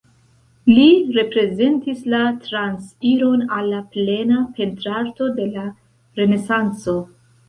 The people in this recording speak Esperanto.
Li reprezentis la transiron al la plena pentrarto de la Renesanco.